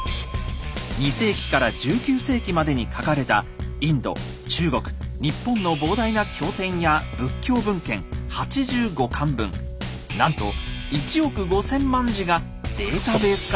２世紀から１９世紀までに書かれたインド・中国・日本の膨大な経典や仏教文献８５巻分なんと１億５，０００万字がデータベース化されたものです。